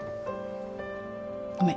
ごめん。